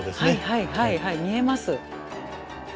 はいはいはい見えます。